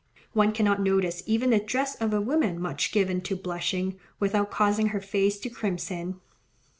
One cannot notice even the dress of a woman much given to blushing, without causing her face to crimson.